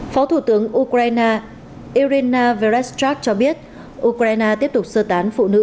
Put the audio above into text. phó thủ tướng ukraine irina vereshchak cho biết ukraine tiếp tục sơ tán phụ nữ